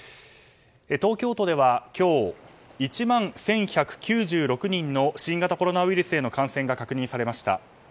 東京都では今日１万１１９６人の新型コロナウイルスへの感染が確認されました。